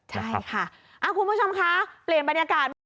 ใช่ค่ะคุณผู้ชมคะเปลี่ยนบรรยากาศมา